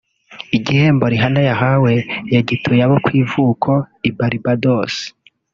Igihembo Rihanna yahawe yagituye abo ku ivuko i Barbados